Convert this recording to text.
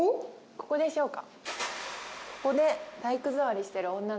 ここでしょうか。